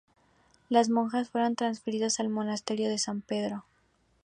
Las monjas fueron transferidas al monasterio de San Pedro.